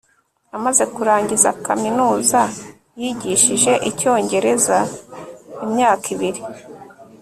amaze kurangiza kaminuza, yigishije icyongereza imyaka ibiri